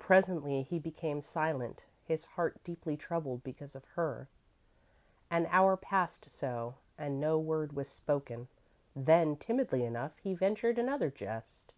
_ _Presently, he became silent, his heart deeply troubled because of her. An hour passed so, and no word was spoken, then, timidly enough, he ventured another jest.